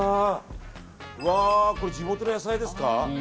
これ地元の野菜ですか？